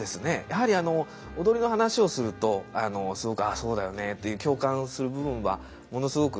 やはり踊りの話をするとすごく「ああそうだよね」って共感する部分はものすごくたくさんございまして。